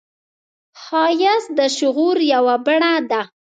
ښایست د شعور یوه بڼه ده